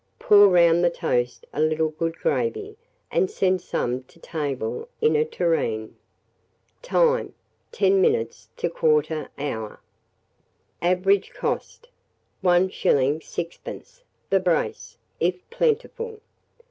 Pour round the toast a little good gravy, and send some to table in a tureen. Time. 10 minutes to 1/4 hour. Average cost, 1s. 6d. the brace, if plentiful.